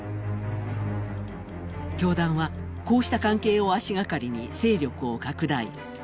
教団はこうした関係を足がかりに勢力を拡大。